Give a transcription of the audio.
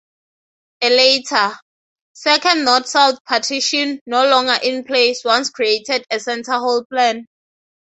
A later, second north-south partition, no longer in place, once created a center-hall plan.